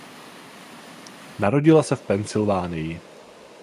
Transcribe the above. Narodila se v Pensylvánii.